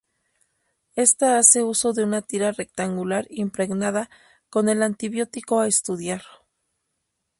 Esta hace uso de una tira rectangular impregnada con el antibiótico a estudiar.